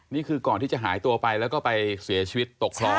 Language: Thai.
นี่คือก่อนที่จะหายตัวไปแล้วก็ไปเสียชีวิตตกคลอง